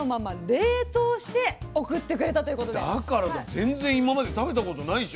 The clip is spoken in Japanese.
全然今まで食べたことない食感。